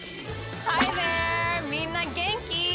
みんなげんき？